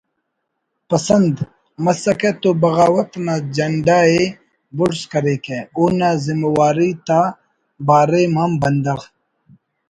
پسند“ مسکہ تو بغاوت نا جنڈہ ءِ بڑز کریکہ اونا زمواری تا باریم ہم بندغ